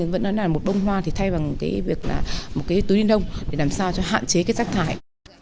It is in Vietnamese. vẫn nói là một bông hoa thì thay bằng cái việc là một cái túi ni lông để làm sao cho hạn chế cái rác thải